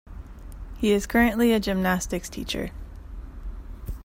He is currently a gymnastics teacher.